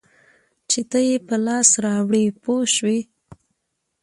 چې ته یې په لاس راوړې پوه شوې!.